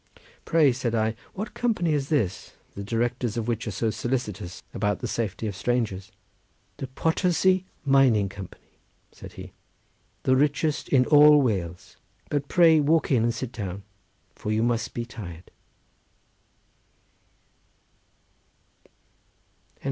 "Pray," said I, "what company is this, the directors of which are so solicitous about the safety of strangers?" "The Potosi Mining Company," said he, "the richest in all Wales. But pray walk in and sit down, for you must be tired."